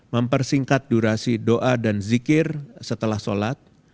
mempersingkat durasi doa dan zikir setelah sholat